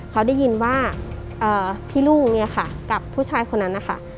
เขาได้ยินว่าพี่รุ่งเนี่ยค่ะกับผู้ชายคนนั้นนะคะ